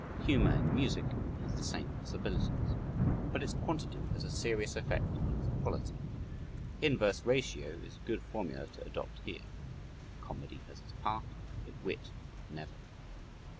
Humor in music has the same possibilities. But its quantity has a serious effect on its quality, "inverse ratio" is a good formula to adopt here. Comedy has its part, but wit never.